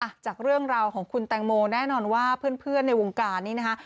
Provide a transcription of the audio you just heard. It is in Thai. จากเรื่องราวของคุณแตงโมแน่นอนว่าเพื่อนในวงการนี้นะคะ